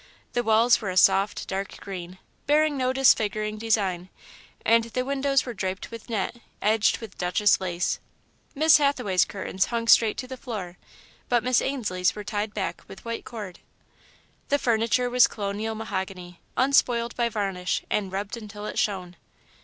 The walls were a soft, dark green, bearing no disfiguring design, and the windows were draped with net, edged with Duchesse lace. Miss Hathaway's curtains hung straight to the floor, but Miss Ainslie's were tied back with white cord. The furniture was colonial mahogany, unspoiled by varnish, and rubbed until it shone.